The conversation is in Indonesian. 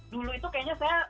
dulu itu kayaknya saya